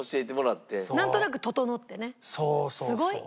すごい。